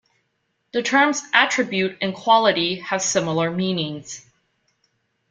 The terms attribute and quality have similar meanings.